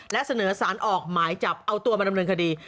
และเสนอสารออกหมายจับเอาตัวมาดำเนินคดี